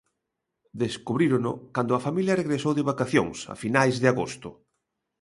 Descubrírono cando a familia regresou de vacacións, a finais de agosto.